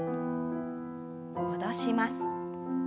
戻します。